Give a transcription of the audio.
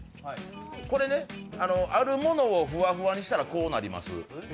これね、あるものをフワフワにしたらこうなります。